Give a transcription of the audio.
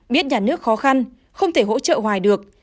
biết nhà nước khó khăn không thể hỗ trợ hoài được